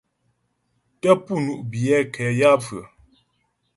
Tə́ pú ŋú' biyɛ nkɛ yaə́pfʉə́'ə.